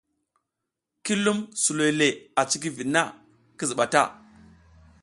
Ki lum suloy le a cikiviɗ na, ki ziɓa ta.